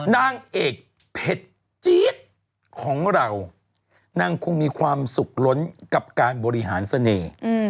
นางเอกเผ็ดจี๊ดของเรานางคงมีความสุขล้นกับการบริหารเสน่ห์